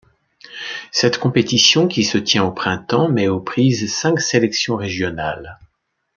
Cette compétition qui se tient au printemps met aux prises cinq sélections régionales.